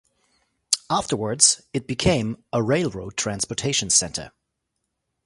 Afterwards, it became a railroad transportation center.